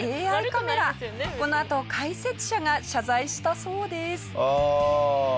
このあと解説者が謝罪したそうです。